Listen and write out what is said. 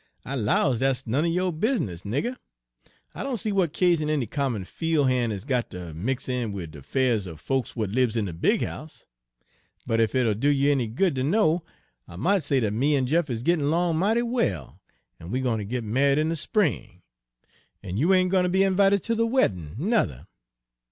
" 'I 'lows dat's none er yo' bizness, nigger. I doan see w'at'casion any common fiel' han' has got ter mix in wid de 'fairs er folks w'at libs in de big house. But ef it'll do you any good ter know, I mought say dat me en Jeff is gittin' 'long mighty well, en we gwine ter git married in de spring, en you ain' gwine ter be 'vited ter de weddin' nuther.'